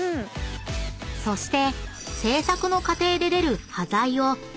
［そして］